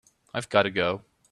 I've got to go.